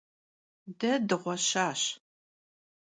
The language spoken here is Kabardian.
De dığueşaş.